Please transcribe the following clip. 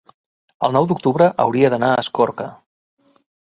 El nou d'octubre hauria d'anar a Escorca.